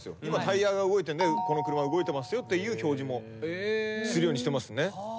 今タイヤが動いてんでこの車動いてますよって表示もするようにしてますね。